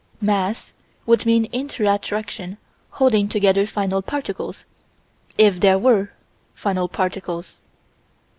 Mass would mean inter attraction holding together final particles, if there were final particles.